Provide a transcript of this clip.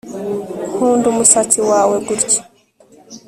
nkunda umusatsi wawe gutya